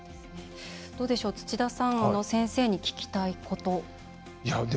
どうでしょう、土田さん先生に聞きたいこと。